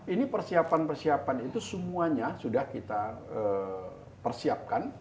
ini persiapan persiapan itu semuanya sudah kita persiapkan